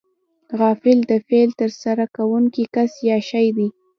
فاعل د فعل ترسره کوونکی کس یا شی دئ.